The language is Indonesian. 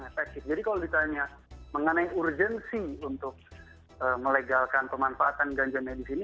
jadi kalau ditanya mengenai urgensi untuk melegalkan pemanfaatan ganja medis ini